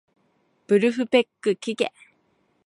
ブルフペックきけ